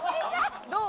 どう？